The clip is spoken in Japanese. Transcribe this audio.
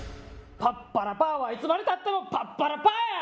パッパラパーはいつまでたってもパッパラパーや！